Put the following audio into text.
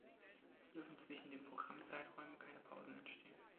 Es dürfen zwischen den Programmzeiträumen keine Pausen entstehen.